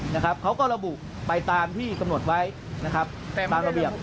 นะครับเขาก็ระบุไปตามที่กำหนดไว้นะครับในบางระเบียบ